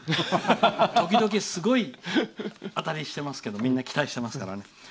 時々すごい当たりしてますけどみんな期待していますよ。